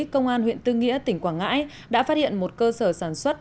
công an huyện tư nghĩa tỉnh quảng ngãi đã phát hiện một cơ sở sản xuất